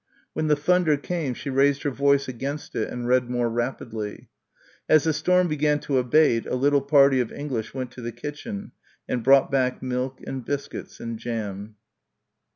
When the thunder came she raised her voice against it and read more rapidly. As the storm began to abate a little party of English went to the kitchen and brought back milk and biscuits and jam.